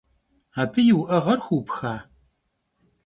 Abı yi vu'eğer xuupxa?